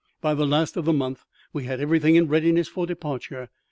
By the last of the month we had everything in readiness for departure.